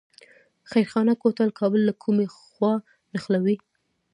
خیرخانه کوتل کابل له کومې خوا نښلوي؟